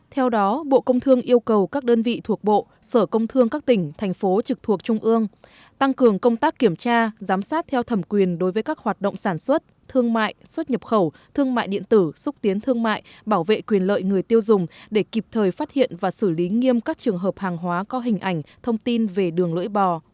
theo đó bộ công thương yêu cầu các đơn vị thuộc bộ sở công thương các tỉnh thành phố trực thuộc trung ương tăng cường công tác kiểm tra giám sát theo thẩm quyền đối với các hoạt động sản xuất thương mại xuất nhập khẩu thương mại điện tử xúc tiến thương mại bảo vệ quyền lợi người tiêu dùng để kịp thời phát hiện và xử lý nghiêm các trường hợp hàng hóa có hình ảnh thông tin về đường lưỡi bò